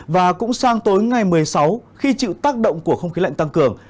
và cũng sang tối ngày một mươi sáu khi chịu tác động của không khí lạnh tăng cường